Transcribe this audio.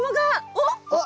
おっ？